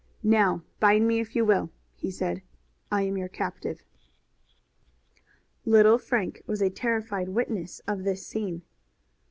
"Now bind me if you will," he said; "I am your captive." Little Frank was a terrified witness of this scene.